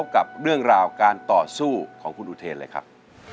ของคนเป็นพ่อครับ